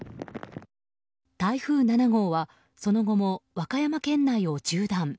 台風７号は、その後も和歌山県内を縦断。